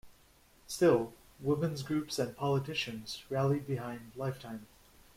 Still, women's groups and politicians rallied behind Lifetime.